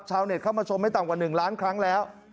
เข้ามาชมไม่ต่ำกว่า๑ล้านครั้งแล้ว